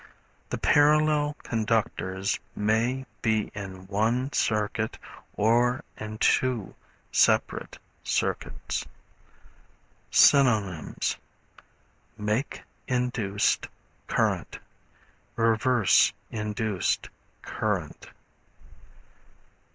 The parallel conductors may be in one circuit or in two separate circuits. Synonyms Make induced Current Reverse induced Current.